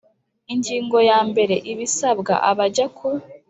Ingingo ya mbere ibisabwa abajya ku